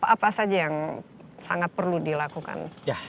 apa saja yang sangat perlu dilakukan